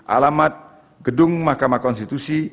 alamat gedung mahkamah konstitusi